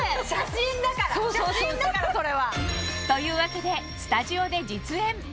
写真だからそれは！というわけでスタジオで実演